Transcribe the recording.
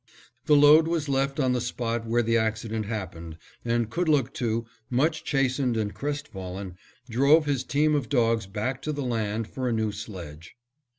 The load was left on the spot where the accident happened, and Kudlooktoo, much chastened and crestfallen, drove his team of dogs back to the land for a new sledge.